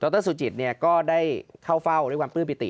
รสุจิตก็ได้เข้าเฝ้าด้วยความปลื้มปิติ